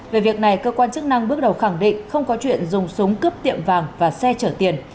về việc này cơ quan chức năng bước đầu khẳng định không có chuyện dùng súng cướp tiệm vàng và xe chở tiền